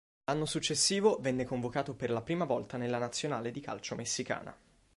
L'anno successivo venne convocato per la prima volta nella Nazionale di calcio messicana.